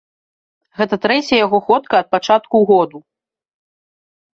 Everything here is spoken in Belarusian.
Гэта трэцяя яго ходка ад пачатку году.